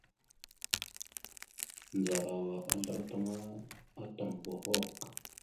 Ndzarawa azlərat ma atam boho.